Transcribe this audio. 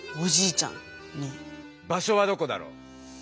場しょはどこだろう？